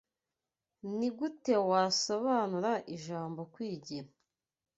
Nigute wasobanura ijambo kwigira